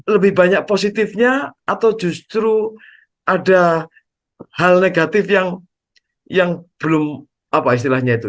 lebih banyak positifnya atau justru ada hal negatif yang belum apa istilahnya itu